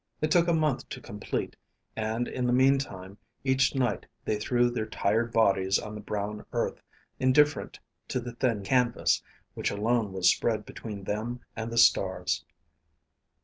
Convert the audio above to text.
It took a month to complete; and in the meantime, each night they threw their tired bodies on the brown earth, indifferent to the thin canvas, which alone was spread between them and the stars.